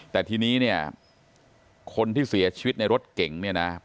แต่ทีนี้เนี่ยคนที่เสียชีวิตในรถเก่งเนี่ยนะ